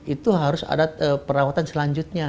itu harus ada perawatan selanjutnya